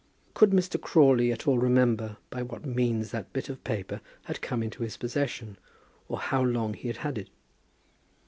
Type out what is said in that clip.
Could Mr. Crawley at all remember by what means that bit of paper had come into his possession, or how long he had had it?